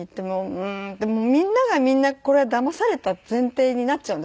うーんでもみんながみんなこれはだまされた前提になっちゃうんです